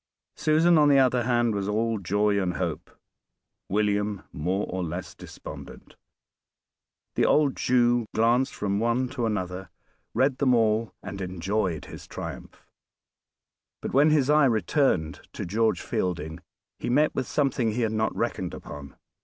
Susan, on the other hand, was all joy and hope; William more or less despondent. The old Jew glanced from one to another, read them all, and enjoyed his triumph. But when his eye returned to George Fielding he met with something he had not reckoned upon.